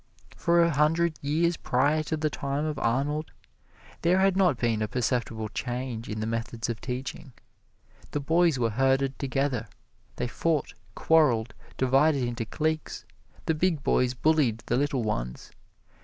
For a hundred years prior to the time of Arnold, there had not been a perceptible change in the methods of teaching. The boys were herded together. They fought, quarreled, divided into cliques; the big boys bullied the little ones.